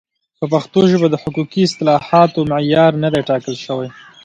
په پښتو ژبه د حقوقي اصطلاحاتو معیار نه دی ټاکل شوی.